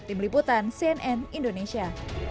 tim liputan cnn indonesia